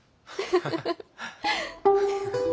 ハハハハ。